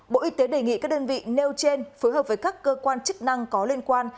bộ y tế đề nghị các đơn vị nêu trên phối hợp với các cơ quan chức năng có liên quan